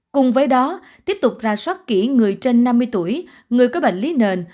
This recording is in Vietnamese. cùng với đó tiếp tục ra soát kỹ người trên năm mươi tuổi người có bệnh lý nền